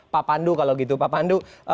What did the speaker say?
pak pandu kalau gitu pak pandu